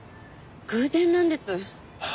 偶然なんです。